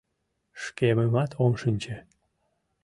Шкемымат ом шинче!